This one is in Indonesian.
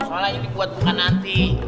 soalnya ini buat bukan nanti